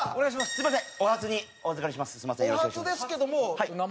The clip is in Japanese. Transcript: すみません。